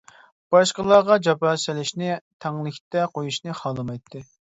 باشقىلارغا جاپا سېلىشنى، تەڭلىكتە قۇيۇشنى خالىمايتتى.